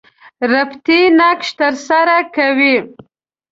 ربطي نقش تر سره کوي.